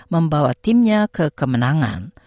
membawa timnya ke kemenangan